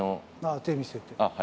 手、見せて。